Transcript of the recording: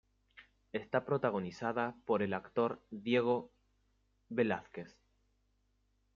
Está protagonizada por el actor Diego Velázquez.